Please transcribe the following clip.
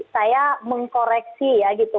saya mengkoreksi ya gitu